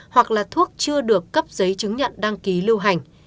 hoặc là thuốc chưa được cấp giấy chứng nhận đăng ký lưu hành